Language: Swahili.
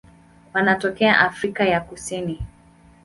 Wanatokea Afrika ya Kusini.